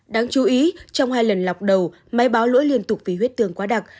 đáng chú ý trong hai lần lọc đầu máy báo lỗi liên tục vì huyết tương quá đặc